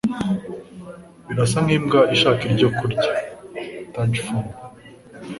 Birasa nkimbwa ishaka icyo kurya. (Tajfun)